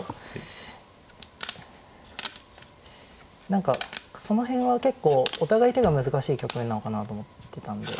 何かその辺は結構お互い手が難しい局面なのかなと思ってたんで。